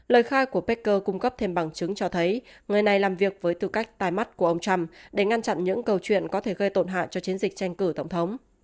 lời khai của peker cung cấp thêm bằng chứng cho thấy người này làm việc với tư cách tai mắt của ông trump để ngăn chặn những câu chuyện có thể gây tổn hại cho chiến dịch tranh cử tổng thống